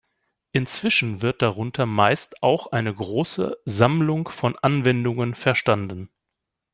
Inzwischen wird darunter meist auch eine große Sammlung von Anwendungen verstanden.